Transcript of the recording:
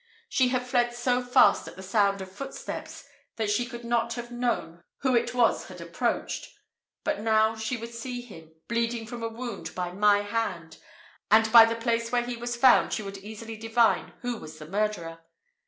She had fled so fast at the first sound of footsteps, that she could not have known who it was had approached; but now she would see him, bleeding from a wound by my hand; and by the place where he was found, she would easily divine who was the murderer.